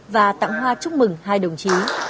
và tặng hoa chúc mừng hai đồng chí